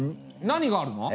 何があるの？